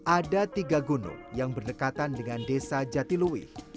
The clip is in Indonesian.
ada tiga gunung yang berdekatan dengan desa jatiluwih